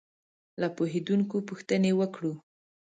له پوهېدونکو پوښتنې وکړو.